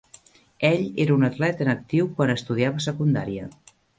Ell era un atleta en actiu quan estudiava secundària.